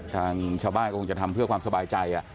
ทางชาวบ้านก็คงจะทำเพื่อความสบายใจ